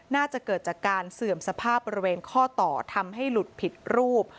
น่าจะเกิดจากการเสื่อมสภาพบริเวณข้อต่อทำให้หลุดผิดรูป